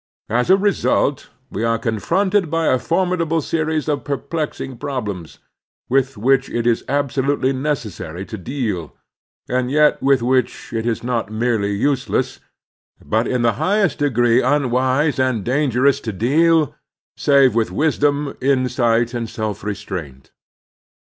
As a result, we are confronted by a formidable series of per plexing problems, with which it is absolutely necessary to deal, and yet with which it is not merely useless, but in the highest degree unwise and dangerous to deal, save with wisdom, insight, and self restraint.